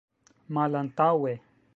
malantaŭe